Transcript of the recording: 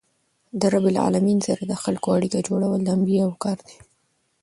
له رب العالمین سره د خلکو اړیکه جوړول د انبياوو کار دئ.